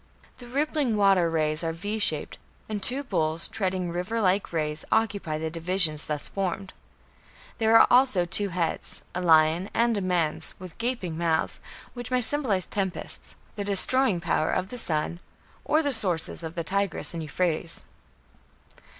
The rippling water rays are V shaped, and two bulls, treading river like rays, occupy the divisions thus formed. There are also two heads a lion's and a man's with gaping mouths, which may symbolize tempests, the destroying power of the sun, or the sources of the Tigris and Euphrates.